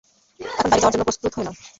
এখন, বাহিরে যাওয়ার জন্য প্রস্তুত হয়ে নাও।